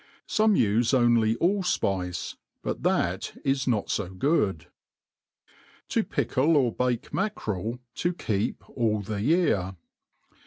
Some ufe only all fpice, .but that is not (o good. To pickle or bake Mackerel^ to keep all the Tear.